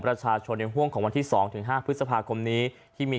ประชาชนในห่วงของวันที่สองถึงห้าภึกษภาคมนี้ที่มี